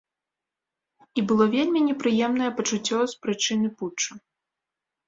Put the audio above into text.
І было вельмі непрыемнае пачуццё з прычыны путчу.